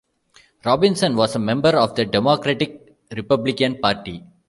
Robinson was a member of the Democratic-Republican Party.